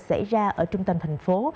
xảy ra ở trung tâm thành phố